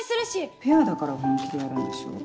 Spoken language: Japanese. ペアだから本気でやるんでしょ